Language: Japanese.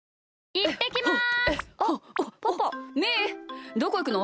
いってきます。